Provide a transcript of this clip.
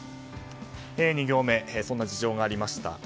２行目、そんな事情がありました